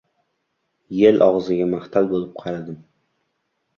Yel og‘ziga mahtal bo‘lib qaradim.